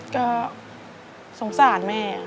ก็สงสารแม่